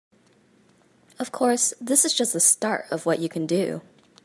Of course, this is just the start of what you can do.